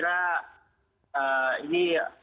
selamat sore pak yusnino